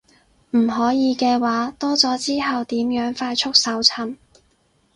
唔可以嘅話，多咗之後點樣快速搜尋